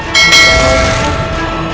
tidak ada siapa siapa lagi